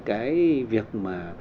cái việc mà